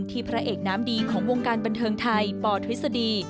พระเอกน้ำดีของวงการบันเทิงไทยปทฤษฎี